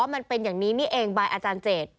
มันเป็นอย่างนี้นี่เองบายอาจารย์เจต